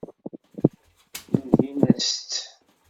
Ndin-as-tt.